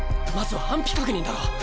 まずは安否確認だろ。